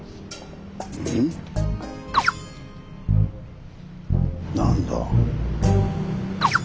うん？何だ？